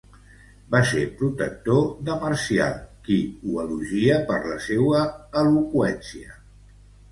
Va ser protector de Marcial qui ho elogia per la seua eloqüència.